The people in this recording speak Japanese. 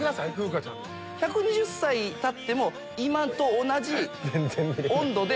１２０歳たっても今と同じ温度で。